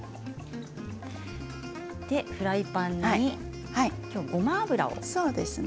フライパンにきょうは、ごま油ですね。